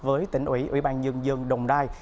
với tỉnh ủy ủy ban dân dân đồng đai